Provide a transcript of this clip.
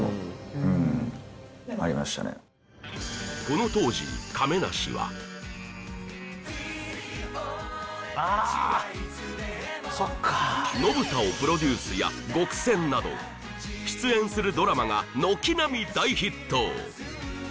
この当時亀梨は「野ブタ。をプロデュース」や「ごくせん」など出演するドラマが軒並み大ヒット